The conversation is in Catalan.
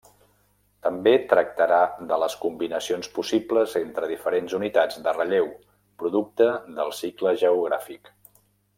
També tractarà de les combinacions possibles entre diferents unitats de relleu producte del cicle geogràfic.